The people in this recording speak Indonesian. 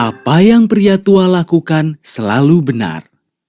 apa yang pria tua lakukan selalu benar